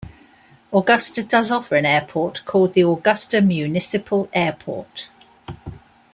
Augusta does offer an airport called the Augusta Municipal Airport.